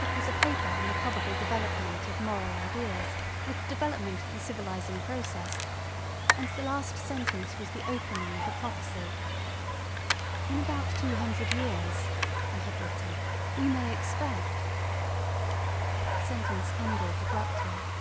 It was a paper on the probable development of Moral Ideas with the development of the civilising process; and the last sentence was the opening of a prophecy: "In about two hundred years," I had written, "we may expect——" The sentence ended abruptly.